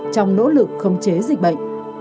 trong nỗ lực khống chế dịch bệnh